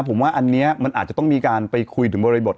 ผมว่าอันนี้มันอาจจะต้องมีการไปคุยถึงบริบท